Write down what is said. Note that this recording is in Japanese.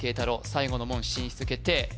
最後の門進出決定